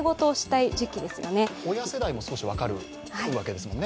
親世代も少し分かるわけですもんね。